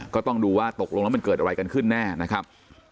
ก็ต้องดูว่าตกลงแล้วมันเกิดอะไรกันขึ้นแน่นะครับ